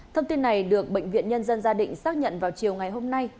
thông tin này được bệnh viện nhân dân gia định xác nhận vào chiều ngày hôm nay